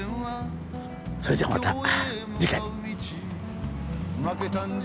それじゃあまた次回。